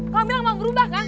kau bilang mau berubah kan